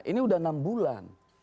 ini sudah enam bulan